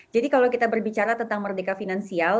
jadi kalau kita berbicara tentang merdeka finansial